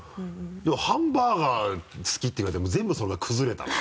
でもハンバーガー好きって言われてもう全部それが崩れたな。